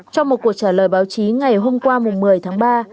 trong một cuộc trả lời báo chí ngày hôm qua một mươi tháng ba